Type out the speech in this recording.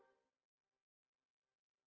bài tạp vương hành